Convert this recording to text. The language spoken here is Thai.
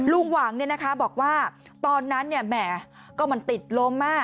ลุงหวังเนี่ยนะคะบอกว่าตอนนั้นเนี่ยแหม่ก็มันติดลมมาก